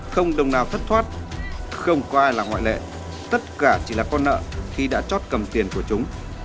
không đồng nào thất thoát không có ai là ngoại lệ tất cả chỉ là con nợ khi đã chót cầm tiền của chúng